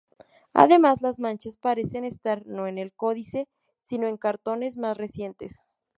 Además, las manchas parecen estar no en el códice sino en cartones más recientes.